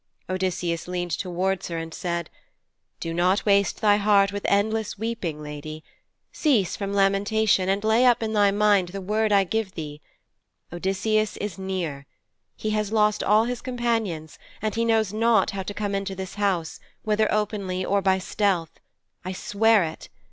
Odysseus leaned towards her, and said, 6 Do not waste thy heart with endless weeping, lady. Cease from lamentation, and lay up in thy mind the word I give thee. Odysseus is near. He has lost all his companions, and he knows not how to come into this house, whether openly or by stealth. I swear it.